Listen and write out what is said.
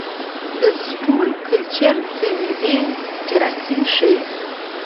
د سټول کلچر د معدې جراثیم ښيي.